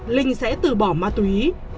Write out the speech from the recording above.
linh sẽ từ bỏ ma túy